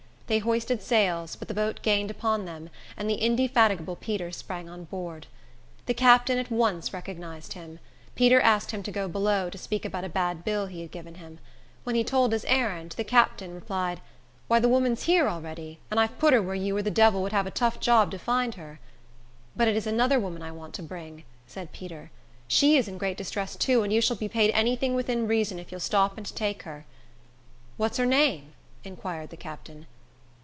They hoisted sails, but the boat gained upon them, and the indefatigable Peter sprang on board. The captain at once recognized him. Peter asked him to go below, to speak about a bad bill he had given him. When he told his errand, the captain replied, "Why, the woman's here already; and I've put her where you or the devil would have a tough job to find her." "But it is another woman I want to bring," said Peter. "She is in great distress, too, and you shall be paid any thing within reason, if you'll stop and take her." "What's her name?" inquired the captain.